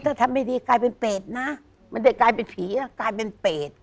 ถ้าทำไม่ดีกลายเป็นเปรตนะมันได้กลายเป็นผีนะกลายเป็นเปรต